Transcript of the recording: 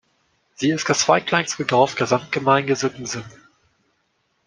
Sie ist das zweitkleinste Dorf der Samtgemeinde Sittensen.